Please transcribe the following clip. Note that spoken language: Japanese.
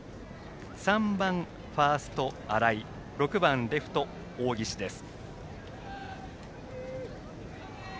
３番ファースト荒居７番レフト大岸です。